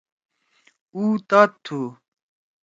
اُو تات تُھو۔